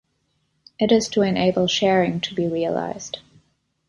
It is to enable sharing to be realized.